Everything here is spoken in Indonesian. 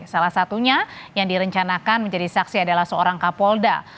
salah satunya yang direncanakan menjadi saksi adalah seorang kapolda